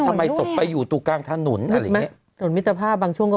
ทำไมสบไปอยู่ตู่กลางถนนอะไรอย่างนี้